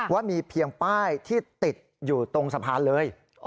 ว่ามีเพียงป้ายที่ติดอยู่ตรงสะพานเลย